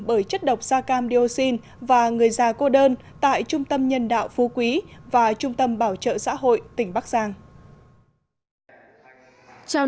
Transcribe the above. bởi chất độc da cam dioxin và người già cô đơn tại trung tâm nhân đạo phú quý và trung tâm bảo trợ xã hội tỉnh bắc giang